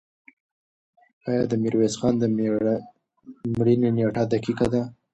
آیا د میرویس خان د مړینې نېټه دقیقه ده؟